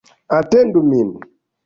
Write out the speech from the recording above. Atendu min!